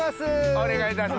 お願いいたします。